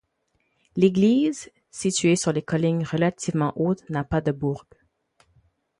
L'église, située sur les collines relativement hautes, n'a pas de bourg.